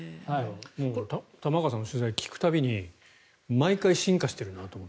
玉川さんの取材を聞く度に毎回進化してるなと思って。